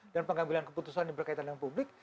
dan pengambilan keputusan yang berkaitan dengan publik